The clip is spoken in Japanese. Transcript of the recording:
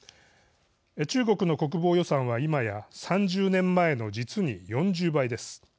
中国の国防予算は今や３０年前の実に４０倍です。